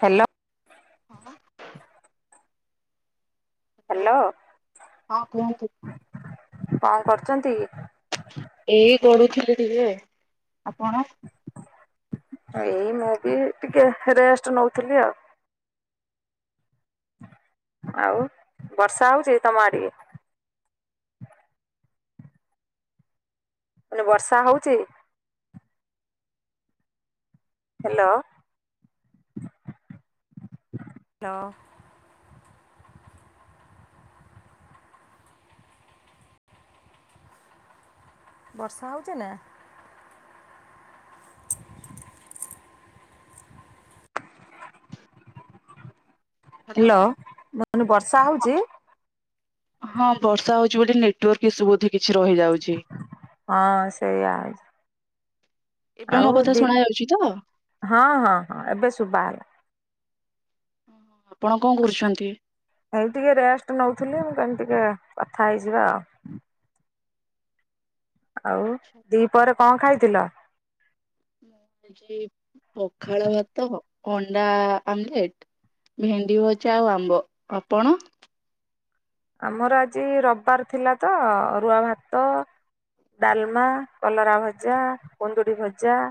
Hello. ହଁ। Hello. Hello ହଁ କୁହନ୍ତୁ କଣ କରୁଛନ୍ତି। ଏଇ ଗଢୁଥିଲି ଟିକେ ଆପଣ? ଏଇ ମୁଁ ବି ଟିକେ ରେଷ୍ଟ ନଉଥିଲି ଆଉ। ଆଉ ବର୍ଷା ହଉଛି ତମ ଆଡିକେ। ମୁଁ କହିଲି ବର୍ଷା ହଉଛି? Hello hello. ବର୍ଷା ହେଉଚି ନା? [inaudible] ହ୍ୟାଲୋ। ହାଲୋ ମୁଁ କହିଲି ବର୍ଷା ହେଉଛି। ହଁ ବର୍ଷା ହଉଛି ବୋଲି ନେଟୱାର୍କ ଇସୁ ବଧେ କିଛି ରହିଯାଉଛି। ହଁ ସେଇଆ। ଏବେ ଆଉ ମୋ କଥା ଦି ଶୁଣା ଯାଉଛି ତ? ହଁ ହଁ ହଁ ଏବେ ଶୁଭା ହେଲା। ଆପଣ କଣ କରୁଛନ୍ତି? ଏଇ ଟିକେ ରେଷ୍ଟ ନଉଥିଲି ମୁଁ କଇନି ଟିକେ କଥା ହେଇଯିବା ଆଉ। ଆଉ ଆଚ୍ଛା ଦି ପହରେ କଣ ଖାଇଥିଲ? କି ପଖାଳ ଭାତ ଅଣ୍ଡା ଆମଲେଟ ଭେଣ୍ଡି ଭଜା ଆଉ ଆମ୍ବ। ଆପଣ? ଆମର ଆଜି ରବବାର ଥିଲା ତ ଆରୁଆ ଭାତ ଡାଲମା କଲରାଭଜା କୁନ୍ଦୁଡ଼ିଭଜା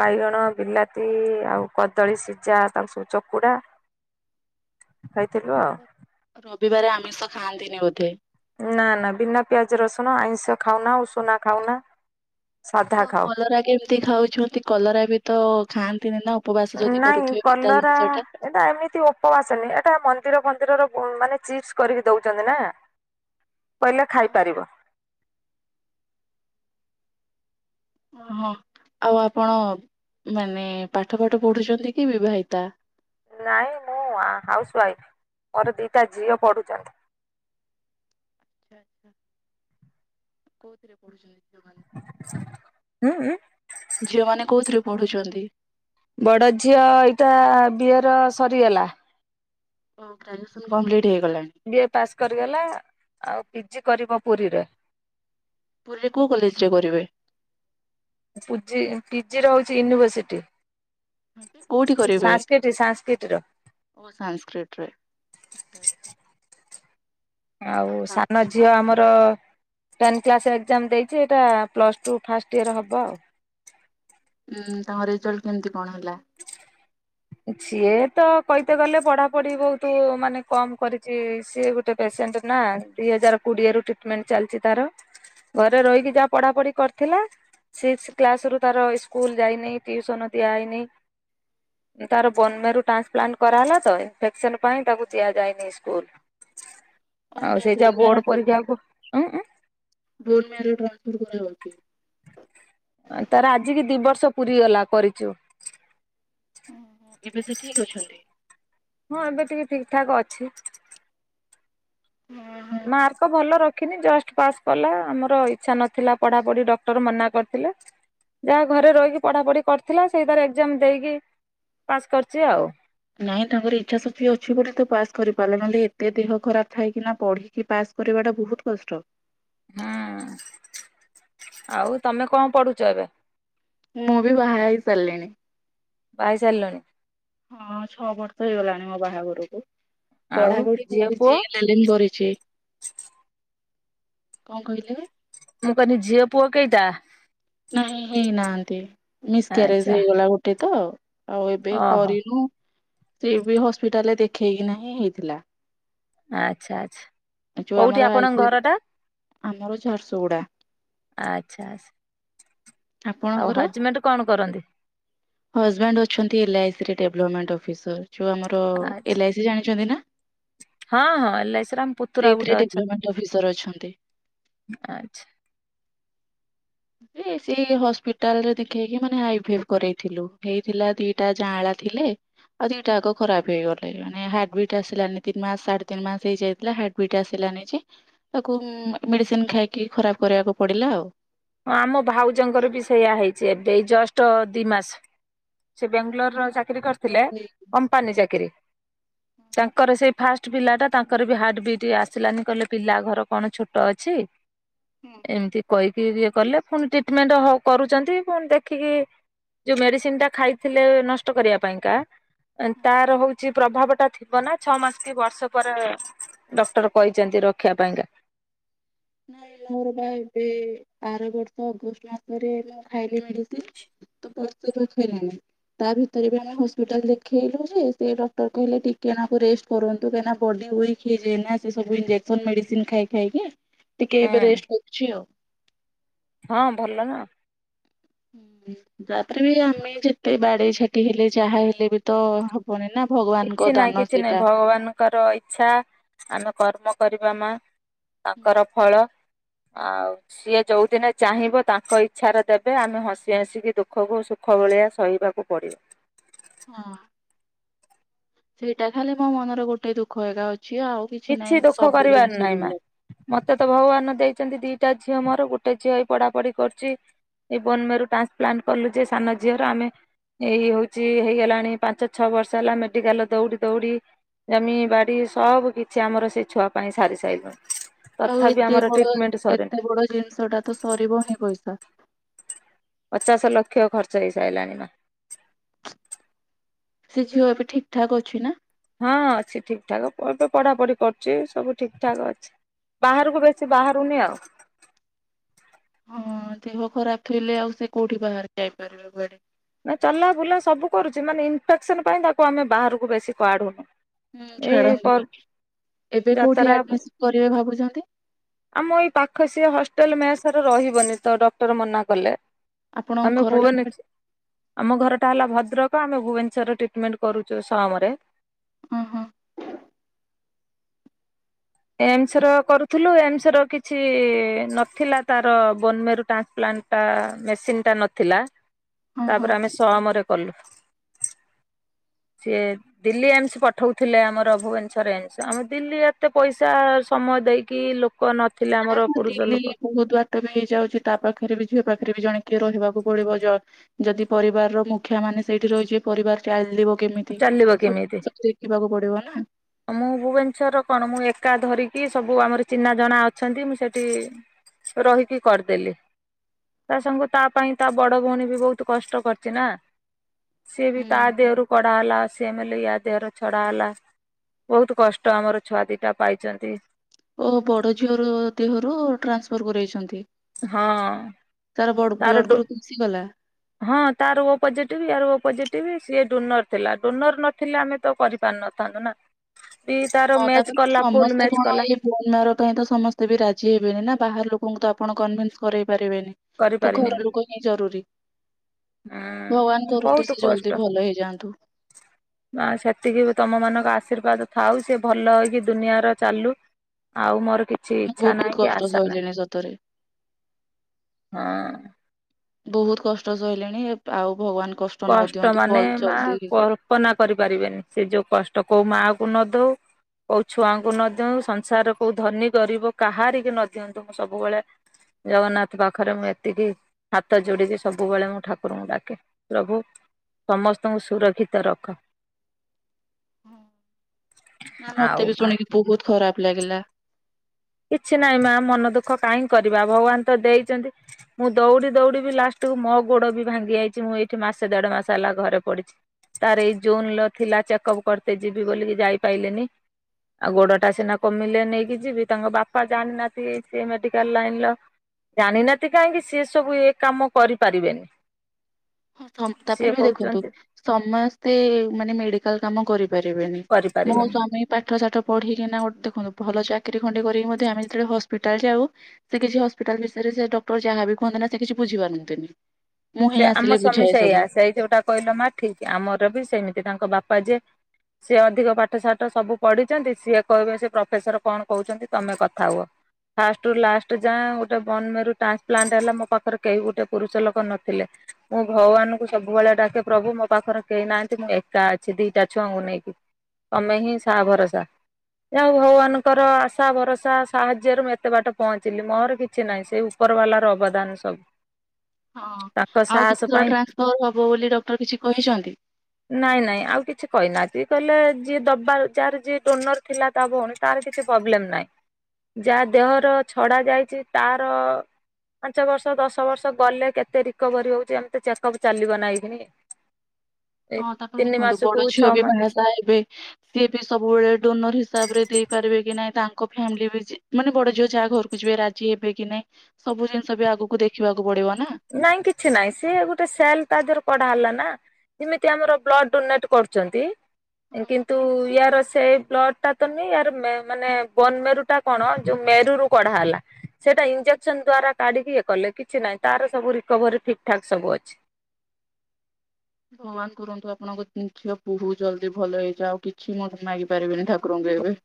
ବାଇଗଣ ବିଲାତି ଆଉ କଦଳୀ ସିଝା ତାଙ୍କୁ ସବୁ ଚକୁଡା ଖାଇଥିଲୁ ଆଉ। ରବିବାର ଆମିଷ ଖାଆନ୍ତିନି ବୋଧେ? ନା ନା ବିନା ପିଆଜ ରସୁଣ ଆଇଁଷ ଖାଉନା ଉଷୁନା ଖାଉନା। ସାଧା ତ ଖାଉ କଲରା କେମିତି ଖାଉଛନ୍ତି କଲରା ବି ତ ଖାଆନ୍ତିନି ନା? ଉପବାସ ଯଦି ନାଇଁ କରୁଥିବେ ପିତା କଲରା ଜିନିଷ ଟା। ଏଇଟା ଏମିତି ଉପବାସ ନାଇ ଏଇଟା ମନ୍ଦିର ଫନ୍ଦିରର ମଁ ମାନେ ଚିପ୍ସ କରିକି ଦଉଚନ୍ତି ନା। କହିଲା ଟା। ଖାଇପାରିବ। ଓ ହଁ ଆଉ ଆପଣ ମାନେ ପାଠ ଫାଠ ପଢ଼ୁଛନ୍ତି କି ବିବାହିତା? ନାଇଁ ମୁଁ ଆଁ ହାଉସ୍ ୱାଇଫ ମୋର ଦିଟା ଝିଅ ପଢ଼ୁଛନ୍ତି। ଆଛା। କୋଉଥିରେ ପଢୁଛନ୍ତି ଝିଅ ମାନେ? ଉଁ ଉଁ। ଝିଅମାନେ କୋଉଥିରେ ପଢୁଛନ୍ତି? ବଡ ଝିଅ ଏଇଟା ବିଏ ର ସରିଗଲା। ଓ ଗ୍ରାଜୁଏସନ କମ୍ପ୍ଲିଟ୍ ହେଇଗଲାଣି। ବି ଏ ପାସ୍ କରିଗଲା ଆଉ ପି ଜି କରିବ ପୁରୀରେ। ପୁରୀରେ କୋଉ କଲେଜ ରେ କରିବେ? ପୁଜି ପି ଜି ର ହଉଛି ୟୁନିଭର୍ସିଟି। କୋଉଠି କରିବେ? ସାନ୍ସ୍କିଟ ସାନ୍ ସ୍କିଟର। ଓ ସଂସ୍କ୍ରିଟରେ ଆଛା। ଆଉ ସାନ ଝିଅ ଆମ ର ଟେନ୍ କ୍ଲାସ ଏକ୍ସାମ୍ ଦେଇଛି ଏଇଟା ପ୍ଲସ୍ ଟୁ ଫାଷ୍ଟ ୟିଅର ହବ ଆଉ ଉଁ ତାଙ୍କ ରେଜଲ୍ଟ କେମିତି କଣ ହେଲା? [inaudible] ସିଏ ତ କହିତେ ଗଲେ ପଢାପଢି ବହୁତୁ ମାନେ କମ୍ କରିଛି ସିଏ ଗୋଟେ ଟେ ପେସେଣ୍ଟ ନା ଦି ହଜାର କୋଡିଏ ରୁ ଟ୍ରିଟମେଣ୍ଟ ଚାଲିଚି ତାର। ଘରେ ରହିକି ଯାହା ପଢା ପଢି କରିଥିଲା ସିକ୍ସ କ୍ଲାସ ରୁ ତାର ଇସ୍କୁଲ ଯାଇନି ଟିୁସନ ଦିଆ ହେଇନି। ତାର ବନମେରୁ ଟ୍ରାନ୍ସପ୍ଲାଣ୍ଟ କରା ହେଲା ତ ଇନଫେକ୍ସନ ପାଇଁ ତାକୁ ଦିଆଯାଇନି ସ୍କୁଲ। ଆଉ ଓହୋ ସେଇ ବୋନ ଯା ମ୍ୟାରୋ ବୋଡ ପରୀକ୍ଷାକୁ ଉଁ ଉଁ। ବୋନ୍ ମ୍ୟାରୋ ଟ୍ରାନ୍ସଫର କରାଯାଉ ଅଛି। ତାର ଆଜିି କି ଦି ବର୍ଷ ପୁରୀ ଗଲା କରିଚୁ। ଓହୋ ଏବେ ସେ ଠିକ ଅଛନ୍ତି? ହଁ ଏବେ ଟିକେ ଠିକ୍ ଠାକ୍ ଅଛି। ହଁ। ମାର୍କ ଭଲ ରଖିନି ଜଷ୍ଟ ପାସ୍ କଲା ଆମର ଇଚ୍ଛା ନଥିଲା ପଢାପଢି ଡକ୍ଟର ମନା କରିଥିଲେ ଯାହା ଘରେ ରହିକି ପଢ଼ାପଢ଼ି କରିଥିଲା ସେଇଥାରେ ଏକ୍ଜାମ ଦେଇକି ପାସ୍ କରିଛି ଆଉ। ନାଇଁ ତାଙ୍କର ଇଚ୍ଛା ଶକ୍ତି ଅଛି ବୋଲି ତ ପାସ୍ କରି ପାରିଲେ ନହେଲେ ଏତେ ଦେହ ଖରାପ ଥାଇ କି ନା ପଢି କି ପାସ୍ କରିବା ଟା ବହୁତ କଷ୍ଟ। ହୁଁ ଆଉ ତମେ କଣ ପଢୁଚ ଏବେ? ମୁଁ ବି ବାହା ହେଇ ସାରିଲିଣି। ବାହା ହେଇ ସାଇଲଣି। ହଁ ଛଅ ବର୍ଷ ହେଇଗଲାଣି ମୋ ବାହାଘରକୁ ଆଉ ପଢାପଢି ଝିଅ ପୁଅ କରୁଛି ଏ ତାଲିମ କରିଛି କଣ କହିଲେ? ମୁଁ କହିଲି ଝିଅ ପୁଅ କେଇ ଟା? ନାଇଁ ହେଇନାହାନ୍ତି ମିସକ୍ୟାରେଜ ଆଚ୍ଛା ହେଇଗଲା ଗୋଟେ ତ ଆଉ ଏବେ ଓହୋ କରିନୁ। ସେ ବି ହସ୍ପିଟାଲରେ ଦେଖେଇକିନାହିଁ ହେଇଥିଲା। ଆଚ୍ଛା ଆଚ୍ଛା ଯୋଉ ଆମର କୋଉଠି ଆଇଥିଲେ ଆପଣଙ୍କ ଘରଟା? ଆମର ଝାରସୁଗୁଡା। ଆଚ୍ଛା ଆଚ୍ଛା ଆଉ ଆପଣଙ୍କର? ହଜବେଣ୍ଡ କଣ କରନ୍ତି? ହଜବେ୍ୟାଣ୍ଡ ଅଛନ୍ତି ଏଲ୍ଆଇସି ରେ ଡେଭଲପମେଣ୍ଟ ଅଫିସର। ଯୋଉ ଆମର ଆଚ୍ଛା ଏଇ ଜାଣିଛନ୍ତି ନା ହଁ ହଁ ଏଲ୍ ଆଇ ସି ରେ ଆମ ପୁତୁରା ଗୋଟେ ସେଇଥିରେ - ଅଫିସର ଅଛନ୍ତି। ଆଛା। ସେ ହସ୍ପିଟାଲ ରେ ଦେଖେଇକି ମାନେ ଆଇଭିଆଫ୍ କରରେଇଥିଲୁ ହେଇଥିଲା ଦିଟା ଯାଆଁଳା ଥିଲେ। ଆଉ ଦିଇଟା ଆ ଖରା ହେଇଗଲାଣି ମାନ ହାର୍ଟ ବିଟ୍ ଆସିଲାନି ତିନି ମାସ ସାଢେ ତିନି ମାସ ହେଇଯାଇଥିଲା ହ। କଇଟା ଆସିଲା ନେଇ ତାକୁ ମେଡିସିନ ଖାଇକି ଖରାପ କରିବାକୁ ପଡିଲା ଆଉ। ହଁ ଆମ ଭାଉଜଙ୍କର ବି ସେଇଆ ହେଇଛି ଏବେ ଜଷ୍ଟ ଦି ମାସ। ସେ ବଙ୍ଗାଲୋର ର ଚାକିରୀ କରିଥିଲେ କମ୍ପାନୀ ଚାକିରୀ। ତାଙ୍କର ସେଇ ଫାଷ୍ଟ ପିଲାଟା ତାଙ୍କର ବି ହାର୍ଟ ବିଟ ଆସିଲାନି କହିଲେ ପିଲା ଘର କଣ ଛୋଟ ଅଛି। ଏମିତି କହିକି ଇଏ କଲେ ପୁଣି ଟ୍ରିଟମେଣ୍ଟ ହ କରୁଛନ୍ତି ପୁଣି ଦେଖିକି ଯୋଉ ମେଡିସିନ ଟା ଖାଇଥିଲେ ନଷ୍ଟ କରିବା ପାଇଁକାା ତାର ହଉଛି ପ୍ରଭାବ ଟା ଥିବ ନା ଛଅ ମାସ କି ବର୍ଷ ପରେ ଡକ୍ଟର କହିଛନ୍ତି ରଖିବା ପାଇଁକା। ନାଇଁ ମୋର ବା ଏବେ ବାର ବର୍ଷ ଅଗଷ୍ଟ ମାସରେ ମୁଁ ଖାଇଲି ମେଡିସିନ। [inaudible] ତା ଭିତରେ ବି ଆମେ ହସ୍ପିଟାଲ ଦେଖେଇଲୁ ଯେ ସେ ଡକ୍ଟର କହିଲେ ଟିକେ ନକୁ ରେଷ୍ଟ କରନ୍ତୁ କାହିଁକନା ବଡି ୱିକ ହେଇଯାଏ ନା ସେ ସବୁ ଇଞଜେସନ ମେସିନ ଖାଇ ଖାଇକି। ଟିକେ ଏବେ ହୁଁ ରେଷ୍ଟ୍ କରଛି ଆଉ ହଁ ଭଲ ନା। ହୁଁ ତାପରେ ବି ଆମେ ଯେତେ ବାଦେଇ ଛାଟେଇ ହେଲେ ଯାହା ହେଲେ ବି ତ ହବନି ନା ଭଗବାନଙ୍କ ଦାନ ସେଇଟା ତାଙ୍କର ଇଚ୍ଛା ଆମେ କର୍ମ କରିବା ମା ତାଙ୍କର ଫଳ। ଆଉ ସିଏ ଯୋଉ ଦିନେ ଚାହିଁବ ତାଙ୍କ ଇଚ୍ଛାରେ ଦେବେ ଆମେ ହସି ହସିକି ଦୁଃଖକୁ ଖ ଭଳିଆ ସହିବାକୁ ପଡିବ। ହଁ ସେଇଟା ଖାଲି ମୋ ମନରେ ଗୋଟେ ଦୁଃଖ ଏକା ଅଛି ଆଉ କିଛି ନହିଁ ସବୁ ଜିନିଷ ମୋତେ ତ ଭଗବାନ ଦେଇଛନ୍ତି ଦିଟା ଝିଅ ମୋର ଗୋଟେ ଝିଅ ହଇ ପଢା ପଢି କରୁଛି। ଏ ବନମେରୁ ଟ୍ରାନ୍ସପ୍ଲାଣ୍ଟ କଲୁ ଯେ ସାନ ଝିଅର ଆମେ ଏଇ ହଉଛି ହେଇଗଲାଣି ପାଞ୍ଚ ଛଅ ବର୍ଷ ହେଲା ମେଡିକାଲ ଦୌଡି ଦୌଡି ଜମି ବାଡି ସବୁ କିଛି ଆମର ସେ ଛୁଆ ପାଇଁ ସାରି ସାରିଲୁଣି। ଆଉ ତଥାପି ଏତେ ଆମର ବଡ ଟ୍ରିଟମେଣ୍ଟ ସରିନି ଏତେ ବଡ ଜିନିଷ ଟା ତ ସରିବ ହିଁ ପଇସା। ପଚାଶ ଲକ୍ଷ ଖର୍ଚ୍ଚ ହେଇସାରିଲାଣି ନା। ସେ ଝିଅ ଏବେ ଠିକ ଠାକ ଅଛି ନା। ହଁ ଅଛି ଠିକ ଠାକ ଏବେ ପଢା ପଢି କରୁଛି ସବୁ ଠିକ ଠାକ ଅଛି। ବାହାରକୁ ବେଶି ବାହାରୁନି ଆଉ ହଁ ଦେହ ଖରାପ ଥିଲେ ଆଉ ସେ କୋଉଠି ବାହାରେ ଯାଇପାରିବ କୁଆଡେ ନା ଚଲା ବୁଲା ସବୁ କରୁଛି ମାନେ ଇନଫେକ୍ସନ ପାଇଁ ତାକୁ ଆମେ ବାହାରକୁ ବେଶୀ କୁଆଡ଼ୁନୁ। ହଁ ଛାଡନ୍ତୁନି ଏବେ ଯାତ୍ରା କୋଉଠି ଆଡମିସନ କରିବେ ଭାବୁଛନ୍ତି। ଆମ ଏଇ ପାଖ ସିଏ ହଷ୍ଟେଲ ମେସରେ ରହିବନି ତ ଡକ୍ଟର ମନା କଲେ। ଆପଣଙ୍କ ଆମେ [inaudible] ଘରଟା କୁଆଡେ? ଆମ ଘରଟା ହେଲା ଭଦ୍ରକ ଆମେ ଭୁବନେଶ୍ୱର ଟ୍ରିଟମେଣ୍ଟ କରୁଛୁ ସମରେ ଅ ହଁ। ଏମ୍ସ ର କରୁଥିଲୁ ଏମ୍ସ ର କିଛି ନଥିଲା ତାର ବୋନମେରୁ ଟ୍ରାନ୍ସପ୍ଲାଣ୍ଟ ତା ମେସିନ୍ ଟା ନଥିଲା ହଁ ହଁ। ତାପରେ ଆମେ ସମ୍ ରେ କଲୁ। [inaudible] ସିଏ ଦିଲ୍ଲୀ ଏମ୍ସ ପଠଉଥିଲେ ଆମର ଭୁବନେଶ୍ୱର ଏମ୍ସ ଆମେ ଦିଲ୍ଲୀ ଏତେ ପଇସା ସମୟ ଦେଇକି ଲୋକ ନଥିଲେ ନାଇଁ ଆମର ମୁଁ ପୁରୁଷ ଦିଲ୍ଲୀ ଲୋକ ବହୁତ ବାଟ ବି ହେଇଯାଉଛି ତା ପାଖରେ ବି ଝିଅ ପାଖରେ ବି ଜଣେ କିଏ ରହିବାକୁ ପଡିବ ଜ ଯଦି ପରିବାର ର ମୁଖିଆ ମାନେ ସେଇଠି ରହିଯିବେ ପରିବାର ଚାଲିବ କେମିତି ଚାଲିବ ସବୁ କେମିତି? ସବୁ ଦେଖିବାକୁ ପଡିବ ନା। ମୁଁ ଭୁବନେଶ୍ଵର ର କଣ ମୁଁ ଏକା ଧରିକି ସବୁ ଆମର ଚିହ୍ନା ଜଣା ଅଛନ୍ତି ମୁଁ ସେଠି ରହିକି କରିଦେଲି। ତା ସାଙ୍ଗକୁ ତା ପାଇଁ ତା ବଡ ଭଉଣୀ ବି ବହୁତ କଷ୍ଟ କରିଛି ନା। ସିଏ ବି ତା ହୁଁ। ଦେହରୁ କଡା ହେଲା ଅଶି ଏମେଲ୍‌ ୟା ଦେହରେ ଛଡା ହେଲା। ବହୁତ କଷ୍ଟ ଆମର ଛୁଆ ଦିଟା ପାଇଛନ୍ତି। ଓହୋ ବଡ଼ ଝିଅର ଦେହରୁ ଟ୍ରାନ୍ସଫର୍ କରେଇଛନ୍ତି? ହଁ ତାର ବଡ ବ୍ଲଡ ଗ୍ରୁପ ମିସିଗଲା। ହଁ ତାର ଓ ପୋଜେଟିଭ୍ ୟାର ଓ ପଜେଟିଭ ସିଏ ଡୋନର ଥିଲା ଡୋନର ନଥିଲେ ଆମେ ତ କରିପାରୁ ନଥାନ୍ତୁ ନା ବି ତାର ମ୍ୟାଚ କଲା ଫୁଲ ମ୍ୟାଚ କଲା। ବୋର୍ଣମ୍ୟାରୋ ପାଇଁ ତ ସମସ୍ତେ ବି ରାଜି ହେବେନି ନା ବାହାର ଲୋକଙ୍କୁ ତ ଆପଣ କନଭିନ୍ସ କରେଇ ପାରିବେନି। ତ ଘର କରିପାରିମିନି। ଲୋକ ହିଁ ଜରୁରୀ ଭଗବାନ ହୁଁ କରନ୍ତୁ ସେ ଜଲଦି ଭଲ ହେଇଯାଆନ୍ତୁ। [inaudible] ମା ସେତିକି ବି ତମ ମାନଙ୍କ ଆଶୀର୍ବାଦ ଥାଉ ସେ ଭଲ ହେଇକି ଦୁନିଆର ଚାଲୁ। ଆଉ ମୋର କି କିଛି ମୁଁ ଇଚ୍ଛା ବହୁ ନାହିଁ କଷ୍ଟ ଆଶା ନାହିଁ ସହିଲିଣି ସତରେ। ହଁ ଅଁ। ବହୁତ କଷ୍ଟ ସହିଲେଣି ଏପ ଆଉ ଭଗବାନ କଷ୍ କଷ୍ଟ ମାନେ ମା କର କଳ୍ପନା କରିପାରିବେନି ସେ ଯୋଉ କଷ୍ଟ କୋଉ ମାଆକୁ ନଦଉ। କୋଉ ଛୁଆଙ୍କୁ ନଦଉ ସଂସାରରେ କୋଉ ଧନୀ ଗରିବ କାହାରିକୁ ନ ଦିଅନ୍ତୁ ମୁଁ ସବୁବେଳେ ଜଗନ୍ନାଥ ପାଖରେ ମୁଁ ଏତିକି ହାତ ଯୋଡ଼ିକି ସବୁବେଳେ ମୁଁ ଠାକୁରଙ୍କୁ ଡାକେ। ପ୍ରଭୁ ସମସ୍ତଙ୍କୁ ସୁରକ୍ଷିତ ରଖ। ନା ଆଉ ମତେ ବି ମା ଶୁଣିକି ବହୁତ ଖରାପ ଲାଗିଲା। କିଛି ନାଇଁ ମା ମନ ଦୁଃଖ କାଇଁ କରିବା ଭଗବାନ ତ ଦେଇଛନ୍ତି। ମୁଁ ଦୌଡି ଦୌଡି ବି ଲାଷ୍ଟକୁୁ ମୋ ଗୋଡ ବି ଭାଙ୍ଗି ଯାଇଛି ମୁଁ ଏଇଠି ମାସେ ଦେଢ ମାସ ହେଲା ଘରେ ପଡିଛି। ତାର ଏଇ ଜୁନର ଥିଲା ଚେକଅପ୍ କରତେ ଯିବି ବୋଲିକି ଯାଇପାଇଲିନି। ଆଉ ଗୋଡଟା ସିନା କମିଲେ ନେଇକି ଯିବି। ତାଙ୍କ ବାପା ଜାଣିନାହାନ୍ତି ସେ ମେଡିକାଲ ଲାଇନ ର। ଜାଣିନାତି କାହିଁକି ସି ସବୁ ଏ କାମ କରିପାରିବେନି। ହଁ ସିଏ ତାପରେ ବି ଦେଖନ୍ତୁ କହୁଛନ୍ତି ସମସ୍ତେ ମାନେ ମେଡିକାଲ କାମ କରି ପାରିବେନି ମୋ କରିପାରିବେନି ସ୍ୱାମୀ ପାଠ ସାଠ ପଢିକିନା ଗୋଟେ ଦେଖନ୍ତୁ ଭଲ ଚାକିରି ଖଣ୍ଡେ କରିକି ମଧ୍ୟ ଆମେ ଯେତେବେଳେ ହସ୍ପିଟାଲ ଯାଉ ସେ କିଛି ହସ୍ପିଟାଲ ବିଷୟରେ ସେ ଡକ୍ଟର ଯାହା ବିି କୁହନ୍ତି ନା ସେ କି ବୁଝିପାରନ୍ତିନି। ମୁଁ ହିଁ ସେ ଆମ ଆସିଲେ ସ୍ୱାମୀ ବୁଝାଏ ସବୁ। ସେଇଆ ସେଇ ଯୋଉଟା କହିଲ ମା ଠିକ୍ ଆମର ବି ସେମିତି ତାଙ୍କ ବାପା ଯେ ସିଏ ଅଧିକ ପାଠ ସାଠ ସବୁ ପଢିଛନ୍ତି ସିଏ କହିବେ ସେ ପ୍ରଫେସର କଣ କହୁଛନ୍ତି ତମେ କଥା ହୁଅ। ଫାଷ୍ଟ ରୁ ଲାଷ୍ଟ ଯାଁଏ ଗୁଟେ ବନମେରୁ ଟ୍ରାନ୍ସପ୍ଲାଣ୍ଟ ହେଲା ମୋ ପାଖରେ କେହି ଗୁଟେ ପୁରୁଷ ଲୋକ ନ ଥିଲେ। ମୁଁ ଭଗବାନଙ୍କୁ ସବୁବେଳେ ଡାକେ ପ୍ରଭୁ ମୋ ପାଖରେ କେହି ନାହାନ୍ତି ମୁଁ ଏକା ଅଛି ଦିଟା ଛୁଆଙ୍କୁ ନେଇକି। ତମେ ହିଁ ସାହା ଭରସା। ଯାହା ହେଉ ଭଗବାନଙ୍କର ଆଶା ଭରସା ସାହାଯ୍ୟରେ ମୁଁ ଏତେ ବାଟ ପହଞ୍ଚିଲି ମୋର କିଛି ନାହିଁ ସେ ଉପ ଉପର ବାଲା ର ଅବଦାନ ସବୁ। ହଁ ତାଙ୍କ ଆଉ ସାହସ କିଛି ଥର ପାଇଁ ଟ୍ରାନ୍ସଫର୍ ହବ ବୋଲି ଡକ୍ଟର କିଛି କହିଛନ୍ତି? ନାଇଁ ନାଇଁ ଆଉ କିଛି କହିନାହାନ୍ତି କହିଲେ ଯିଏ ଦବା ଯାହାର ଯିଏ ଡୋନର ଥିଲା ତା ଭଉଣୀ ତାର କିଛି ପ୍ରୋବ୍ଲେମ ନାହିଁ। ଯାହା ଦେହର ଛଡା ଯାଇଛି ତାର ପାଞ୍ଚ ବର୍ଷ ଦଶ ବର୍ଷ ଗଲେ କେତେ ଏତେ ରିକଭର ହଉଛି ଏମେ ଚେକଅପ୍ ଚାଲିବ ନା ଏଇ ଦିନି ହଁ ତାପରେ ଦେଖନ୍ତୁ ବଡ ଝିଅ ଛଅ ବି ମାସ ବାହାସାଆ ହେବେ ସିଏ ବି ସବୁବେଳେ ଡୋନର ହିସାବ ରେ ଦେଇପାରିବେ କି ନାଇଁ ତାଙ୍କ ଫ୍ୟାମିଲି ବି ମାନେ ବଡ ଝିଅ ଯାହା ଘରକୁ ବୁଝିବେ ରାଜି ହେବେ କି ନାଇଁ ସବୁ ଜିନିଷ ବି ଆଗକୁ ଦେଖିବାକୁ ପଡିବ ନା। ନାଇଁ କିଛି ନାହିଁ ସେ ଗୋଟେ ସେଲ ତାଦେହ ରୁ କଡା ହେଲା ନା ଯେମିତି ଆମର ବ୍ଲଡ ଡୋନେଟେ କରୁଛନ୍ତି କିନ୍ତୁ ୟାର ସେ ବ୍ଲ ଟା ତୁହଁ ୟ ମାନେ ବନମେରୁ ଟା କଣ ଯୋଉ ମେରୁରୁୁ କଢା ହେଲା। ସେଇଟା ଇଞ୍ଜେକ୍ସନ ଦ୍ୱାରା କାଢ଼ିକି ଇ ଏ କଲେ କିଛି ନାହିଁ ତାର ସବୁ ରିକଭରି ଠିକ୍ ଠାକ ସବୁ ଅଛି। ଭଗବାନ କରୁନ୍ତୁ ଆପଣଙ୍କ ଝିଅ ବୁହ ଜଲ୍ଦି ଭଲ ହେଇଯାଉ ଆଉ କିଛି ମେ ମାଗି ପାରିବିନି ଠାକୁରଙ୍କୁ ଏବେ।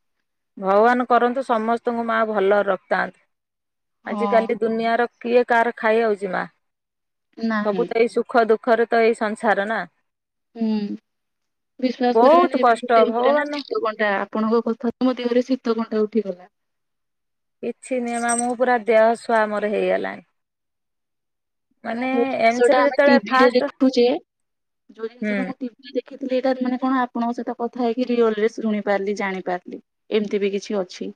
ଭଗବାନ କରନ୍ତୁ ସମସ୍ତଙ୍କୁ ମାଆ ଭଲରେ ରଖିଥାନ୍ତୁ ହଁ ଆଜିକାଲି ଦୁନିଆର କିଏ କାହାର ଖାଇ ହାଉଛି ମା ନାହିଁ ସବୁ ତ ଏଇ ସୁଖ ଦୁଃଖ ଦୁଖରେ ତ ଏଇ ସଂସାର ନା। ହୁଁ ବିଶ୍ଵାସ ବହୁତ କରିବନି କଷ୍ଟ [unintelligible] ଭଗବାନ ଆପଣଙ୍କ କଥା ତ ମୋ ଦେହରେ ଶୀତକଣ୍ଟା ଉଠିଗଲା। କିଛି ନିୟମାମ ମୁଁ ପୁରା ଦେହ ଶୁଆ ମୋର ହେଇଗଲାଣି। ମାନେ କାହିଁକି ଯୋଉ ଏମସ ଜିନିଷଟା ରେ ଆମେ ଯେତେବେଳେ ଟିଭି ରେ ଫାଷ୍ଟ ଦେଖୁଛେ ଯୋଉ ହୁଁ ଜିନିଷଟା ଟି ମୁଁ ଦେଖିଥିଲି ଇଟା ମାନେ କଣ ଆପଣଙ୍କ ସହିତ କଥା ହେଇକି ରିଅଲରେ ଶୁଣି ପାରିଲି ଜାଣିପାରିଲି। ଏମିତି ବି କିଛି ଅଛି।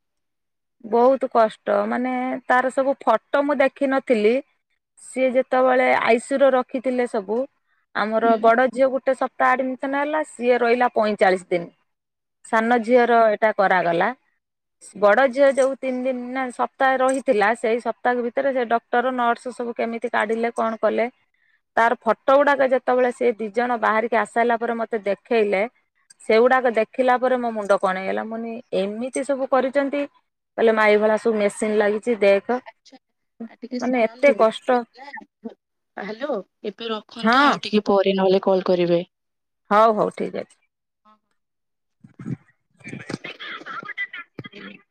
ବହୁତ କଷ୍ଟ ମାନେ ତାର ସବୁ ଫଟୋ ମୁଁ ଦେଖିନଥିଲି ସିଏ ଯେତେବେଳେ ଆଇସିୟୁ ର ରଖିଥିଲେ ସବୁ ଆମର ହୁଁ ବଡ ଝିଅ ଗୋଟେ ସପ୍ତାହ ଆଡମିସନ ହେଲା ସିଏ ରହିଲା ପଇଁଚାଳିଶ ଦିନ ସାନ ଝିଅର ଏଇଟା କରାଗଲା ବଡ ଝିଅ ଯୋଉ ତିନି ଦିନ ନା ସପ୍ତାହ ରହିଥିଲା ସେଇ ସପ୍ତାହ ଭିତରେ ସେ ଡକ୍ଟର ନର୍ସ ସବୁ କେମିତି କାଢିଲେ କଣ କଲେ ତାର ଫଟୋ ଗୁଡାକ ଯେତେବେଳେ ସେ ଦି ଜଣ ବାହାରିକି ଆସିସାରିଲା ପରେ ମତେ ଦେଖେଇଲେ ସେଗୁଡାକ ଦେଖିଲା ପରେ ମୋ ମୁଣ୍ଡ କଣ ହେଇଗଲା ମୁଁନି ଏମିତି ସବୁ କରିଛନ୍ତି କହିଲେ ମା ଏଇ ଭଳିଆ ସବୁ ମେସିନ ଲାଗିଛି ଦେଖେ ଆଛା। ଆଉ ଟିକେ ଶୁଣନ୍ତୁ କଷ୍ଟ ହ୍ୟାଲୋ ଏବେ ରଖନ୍ତୁ ହଁ ଆଉ ଟିକେ ପରେ ନହେଲେ କଲ୍ କରିବେ ହଉ ହଉ ଠିକ ଅଛି। ହଁ। [unintelligible]